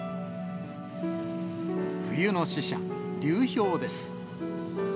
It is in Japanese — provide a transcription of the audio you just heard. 冬の使者、流氷です。